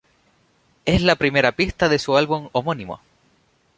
Es la primera pista de su álbum homónimo.